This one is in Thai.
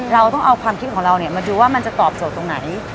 เราต้องเอาความคิดของเรามาดูว่ามันจะตอบโจทย์ตรงไหน